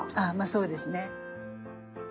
ああまあそうですね。